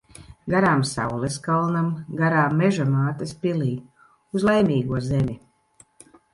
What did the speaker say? Garām saules kalnam, garām Meža mātes pilij. Uz Laimīgo zemi.